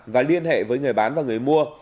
và liên hệ với người bán và người mua